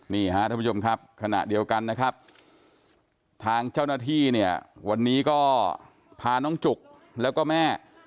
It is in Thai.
ท่านผู้ชมครับขณะเดียวกันนะครับทางเจ้าหน้าที่เนี่ยวันนี้ก็พาน้องจุกแล้วก็แม่